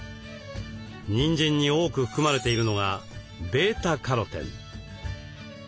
にんじんに多く含まれているのがβカロテン。